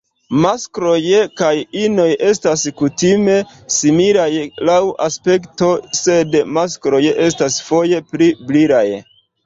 Maskloj kaj inoj estas kutime similaj laŭ aspekto, sed maskloj estas foje pli brilaj.